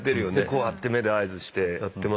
こうやって目で合図して。